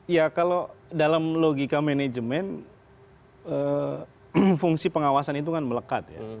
ya kalau dalam logika manajemen fungsi pengawasan itu kan melekat ya